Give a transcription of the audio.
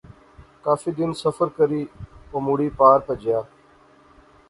کافی دن سفر کری او مڑی پار پجیا